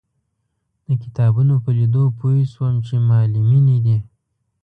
د کتابونو په لیدو پوی شوم چې معلمینې دي.